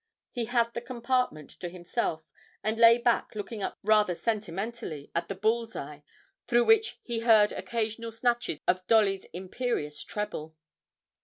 He had the compartment to himself, and lay back looking up rather sentimentally at the bull's eye, through which he heard occasional snatches of Dolly's imperious treble.